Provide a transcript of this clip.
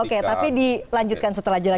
oke tapi dilanjutkan setelah jeda